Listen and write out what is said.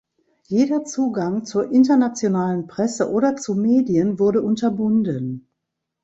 Jeder Zugang zur internationalen Presse oder zu Medien wurde unterbunden.